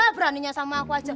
beraninya sama aku aja